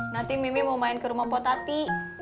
nanti mimi mau main ke rumah potati